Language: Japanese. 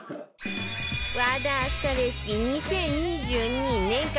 和田明日香レシピ２０２２年間